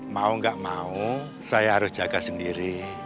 mau nggak mau saya harus jaga sendiri